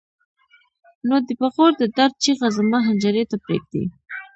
نه د پېغور د درد چیغه زما حنجرې ته پرېږدي.